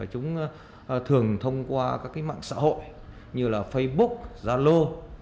chúng thường thông qua các mạng xã hội như là facebook zalo